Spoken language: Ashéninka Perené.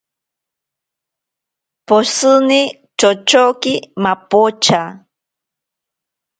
Poshini chochoki mapocha.